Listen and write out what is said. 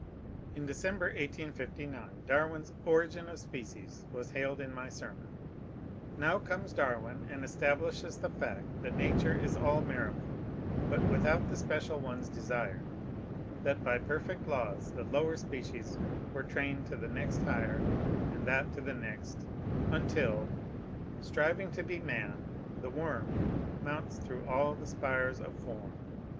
^ In December, 1859, Darwin's " Origin of Species " was hailed in my sermon :— Now comes Darwin and establishes the fact that Nature is all miracle, but without the special ones desired : that by per fect laws the lower species were trained to the next higher and that to the next — until Striving to be man the worm Momits throagh all the spires of form.